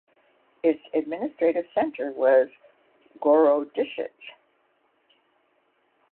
Its administrative centre was Gorodishche.